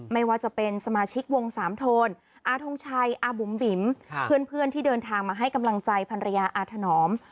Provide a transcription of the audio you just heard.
ไม่ว่าจะเป็นสมาชิกวงสามโทนอาทงชัยอาบุ๋มบิ๋มเพื่อนที่เดินทางมาให้กำลังใจพันรยาอาถนอม